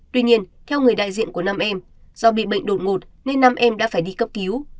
tuy nhiên theo người đại diện của năm em do bị bệnh đột ngột nên năm em đã phải đi cấp cứu